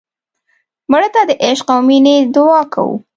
مړه ته د عشق او مینې دعا کوو